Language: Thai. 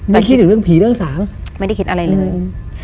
คิดถึงเรื่องผีเรื่องสางไม่ได้คิดอะไรเลยอืม